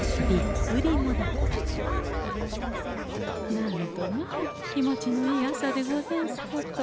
なんとまあ気持ちのいい朝でござんすこと。